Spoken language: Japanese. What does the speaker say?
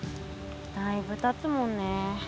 だいぶたつもんね。